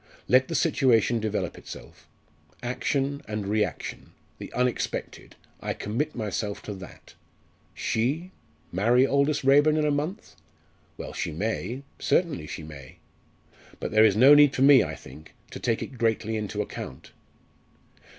Let the situation develop itself. Action and reaction the unexpected I commit myself to that. She marry Aldous Raeburn in a month? Well, she may certainly she may. But there is no need for me, I think, to take it greatly into account.